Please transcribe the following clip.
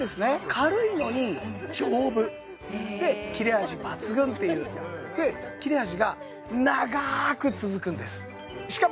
軽いのに丈夫で切れ味抜群っていうで切れ味が長く続くんですしかも